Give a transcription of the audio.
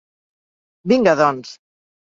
Vinga, doncs.